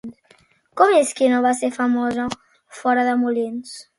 Com és que no va ser famosa fora de Molins?